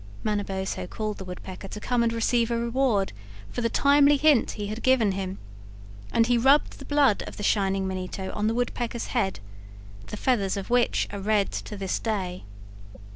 Manabozho called the Woodpecker to come and receive a reward for the timely hint he had given him, and he rubbed the blood of the Shining Manito on the Woodpecker's head, the feathers of which are red to this day.